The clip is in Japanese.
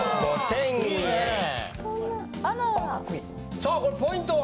さあこれポイントは？